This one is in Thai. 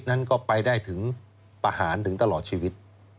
นั้นก็ไปได้ถึงประหารถึงตลอดชีวิต